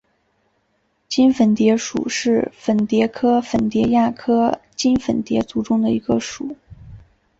襟粉蝶属是粉蝶科粉蝶亚科襟粉蝶族中的一个属。